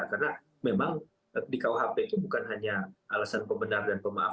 karena memang di kuhp itu bukan hanya alasan pembendah dan pemaaf